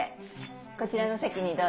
こちらの席にどうぞ。